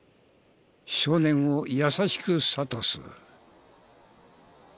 少年を優しく諭す。